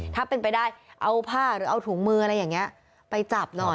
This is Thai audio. ถ้าเป็นไปได้เอาผ้าหรือเอาถุงมืออะไรอย่างนี้ไปจับหน่อย